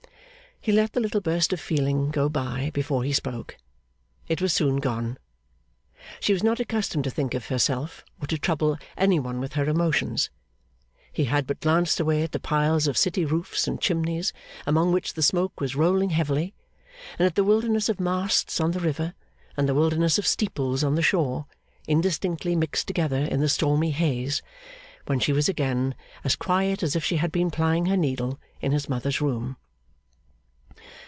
He let the little burst of feeling go by before he spoke. It was soon gone. She was not accustomed to think of herself, or to trouble any one with her emotions. He had but glanced away at the piles of city roofs and chimneys among which the smoke was rolling heavily, and at the wilderness of masts on the river, and the wilderness of steeples on the shore, indistinctly mixed together in the stormy haze, when she was again as quiet as if she had been plying her needle in his mother's room.